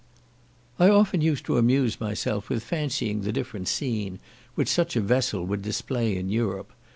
I often used to amuse myself with fancying the different scene which such a vessel would display in Europe.